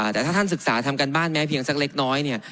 แต่ถ้าท่านศึกษาทำการบ้านแม้เพียงสักเล็กน้อยเนี่ย